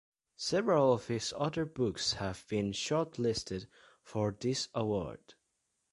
Several of his other books have been shortlisted for this award.